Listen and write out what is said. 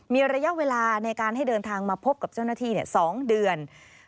มีระยะเวลาในการให้เดินทางมาพบกับเจ้าหน้าที่๒เดือน